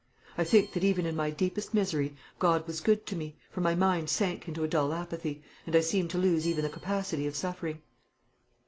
I think that even in my deepest misery God was good to me, for my mind sank into a dull apathy, and I seemed to lose even the capacity of suffering.